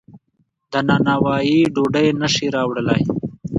له نانوایۍ ډوډۍ نشي راوړلی.